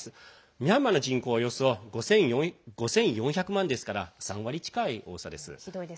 ミャンマーの人口はおよそ５４００万ですから３割近い多さです。